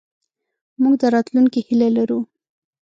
موږ د راتلونکې هیله لرو.